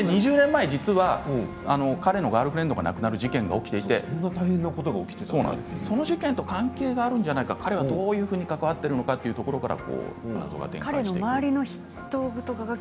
２０年前、実は彼のガールフレンドが亡くなる事件が起きていてその事件と関係があるんじゃないか彼はどういうふうに関わっているのかというところから。